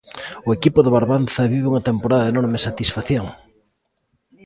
O equipo do Barbanza vive unha temporada de enorme satisfacción.